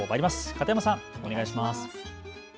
片山さん、お願いします。